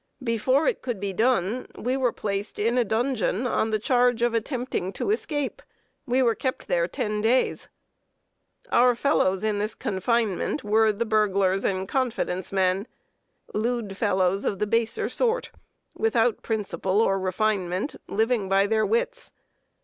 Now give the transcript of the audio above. Before it could be done we were placed in a dungeon, on the charge of attempting to escape. We were kept there ten days. [Sidenote: SHUT UP IN A CELL.] Our fellows in confinement were the burglars and confidence men "lewd fellows of the baser sort," without principle or refinement, living by their wits.